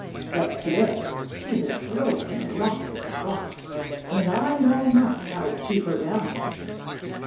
But to day she has broken the lock of the box, and I know not how to keep her down.'